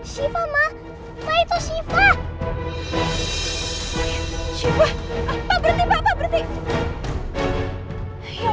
sampai jumpa di video selanjutnya